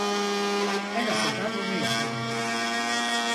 En azından bunu yapayım.